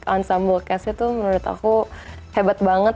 ensemble castnya tuh menurut aku hebat banget